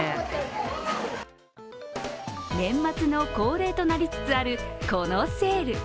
年末の恒例となりつつあるこのセール。